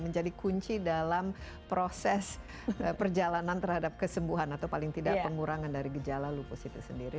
menjadi kunci dalam proses perjalanan terhadap kesembuhan atau paling tidak pengurangan dari gejala lupus itu sendiri